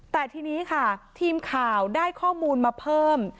แต่ทีนี้ค่ะทีมข่าวได้ข้อมูลมาเพิ่ม